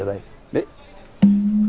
えっ？